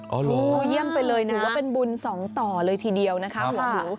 อ๋อเหรอเยี่ยมไปเลยนะถือว่าเป็นบุญสองต่อเลยทีเดียวนะคะขอบรู